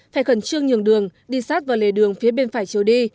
phải khẩn trương nhường đường đi sát vào lề đường phía bên phải chiều đi